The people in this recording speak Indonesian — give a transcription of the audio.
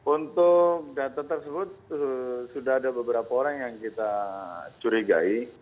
untuk data tersebut sudah ada beberapa orang yang kita curigai